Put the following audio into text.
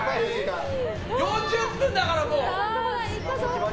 ４０分だから、もう！